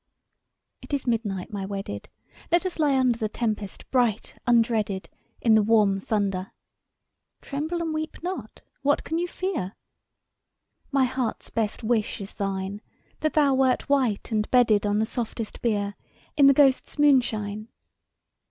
I. It is midnight, my wedded ; Let us lie under The tempest bright undreaded. In the warm thunder : (Tremble and weep not I What can you fear?) My heart's best wish is thine, — That thou wert white, and bedded On the softest bier. In the ghosts* moonshine.